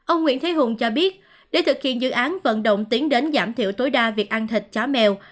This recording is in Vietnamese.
ông nguyễn thế hùng cho biết để thực hiện dự án vận động tiến đến giảm thiểu tối đa việc ăn thịt chó mèo